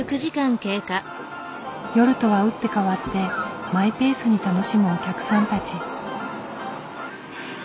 夜とは打って変わってマイペースに楽しむお客さんたち。